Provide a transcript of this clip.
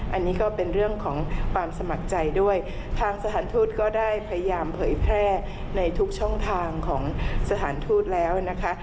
อันนี้ก็เป็นเรื่องของความสมัครใจด้วยทางสถานทูตก็ได้พยายามเผยแพร่ในทุกช่องทางของสถานทูตแล้วนะคะ